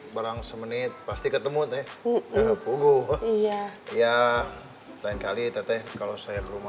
sekarang semenit pasti ketemu teh pugu iya ya lain kali teteng kalau saya rumah